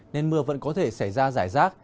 nên mưa vẫn có thể xảy ra giải rác